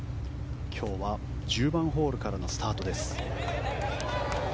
今日は１０番ホールからのスタートです。